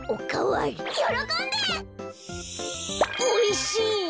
おいしい！